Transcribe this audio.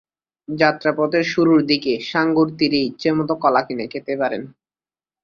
যাত্রাপথে শুরুর দিকে, সাঙ্গুর তীরে ইচ্ছেমত কলা কিনে খেতে পারেন।